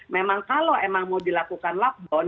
memang kalau emang mau dilakukan lockdown